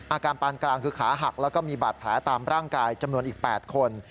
อาการปานกลางคือขาหักแล้วก็มีบาดแผลตามร่างกายจำนวนอีก๘คน